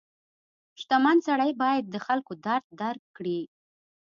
• شتمن سړی باید د خلکو درد درک کړي.